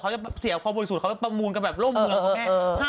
้เขาจะเสียความบริสุทธิ์เขาจะประมูลกันแบบร่มเหงื่อของแม่